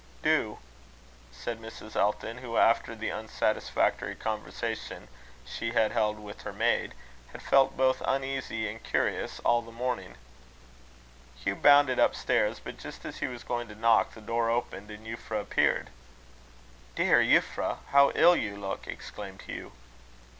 "Do," said Mrs. Elton, who, after the unsatisfactory conversation she had held with her maid, had felt both uneasy and curious, all the morning. Hugh bounded up stairs; but, just as he was going to knock, the door opened, and Euphra appeared. "Dear Euphra! how ill you look!" exclaimed Hugh.